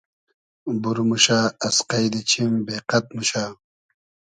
بور موشۂ از قݷدی چیم بې قئد موشۂ